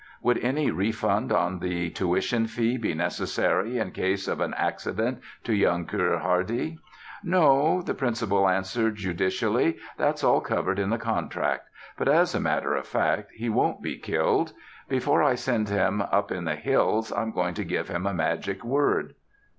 "Would any refund on the tuition fee be necessary in case of an accident to young Cœur Hardy?" "No," the principal answered, judicially, "that's all covered in the contract. But as a matter of fact he won't be killed. Before I send him up in the hills I'm going to give him a magic word."